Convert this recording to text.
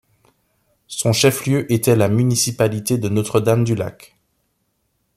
Son chef-lieu était la municipalité de Notre-Dame-du-Lac.